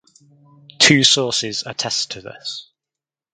Two sources attest to this.